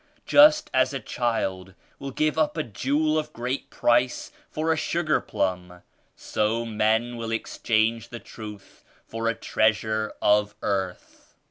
Just as a child will give up a jewel of great price for a sugar plum, so men will ex change the Truth for a treasure of earth.